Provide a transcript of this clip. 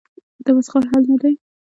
تمسخر حل نه دی.